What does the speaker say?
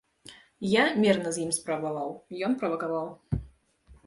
Я мірна з ім спрабаваў, ён правакаваў.